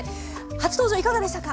初登場いかがでしたか？